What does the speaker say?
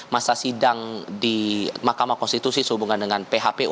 masa sidang di mahkamah konstitusi sehubungan dengan phpu